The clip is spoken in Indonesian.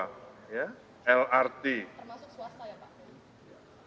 termasuk swasta ya pak